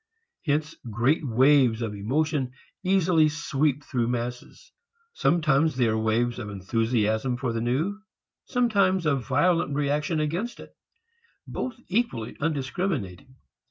Hence great waves of emotion easily sweep through masses. Sometimes they are waves of enthusiasm for the new; sometimes of violent reaction against it both equally undiscriminating.